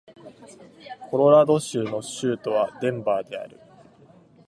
コロラド州の州都はデンバーである